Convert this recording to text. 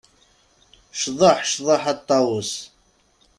Cḍeḥ, cḍeḥ a ṭṭawes.